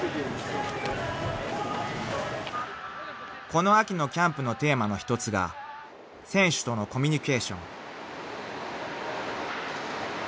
［この秋のキャンプのテーマの１つが選手とのコミュ二ケーション］